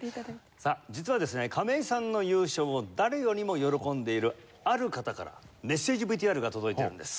さあ実はですね亀井さんの優勝を誰よりも喜んでいるある方からメッセージＶＴＲが届いているんです。